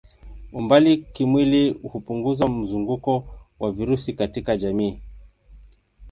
Umbali kimwili hupunguza mzunguko wa virusi katika jamii.